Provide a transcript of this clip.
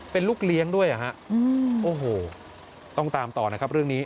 เป็นลูกเลี้ยงด้วยอ่ะฮะโอ้โหต้องตามต่อนะครับเรื่องนี้